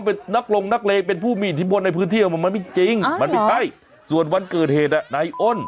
เป็นนักลงนักเลงเป็นผู้มีอิทธิพลในพื้นที่มันไม่จริงมันไม่ใช่ส่วนวันเกิดเหตุอ่ะนายอ้น